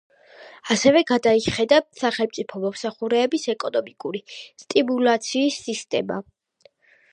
ასევე გადაიხედა სახელმწიფო მოსამსახურეების ეკონომიკური სტიმულაციის სისტემა.